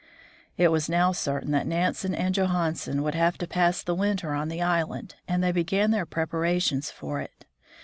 It was now certain that Nansen and Johansen would have to pass the winter on the island, and they began their preparations for it.